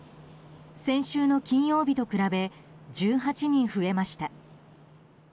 先週の金曜日と比べ１８人増えました。